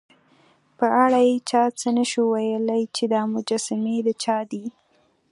په اړه یې چا څه نه شوای ویلای، چې دا مجسمې د چا دي.